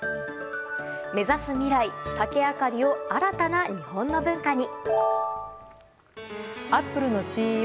目指す未来竹あかりを新たな日本の文化に。